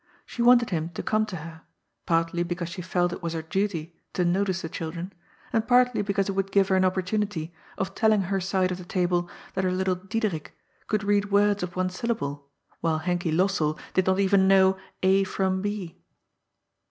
She wanted him to come to her, partly because she felt it was her duty to notice the children, and partly because it would give her an opportu nity of telling her side of the table that her little Diederik could read words of one syllable, while Henky Lossell did not even know A from B.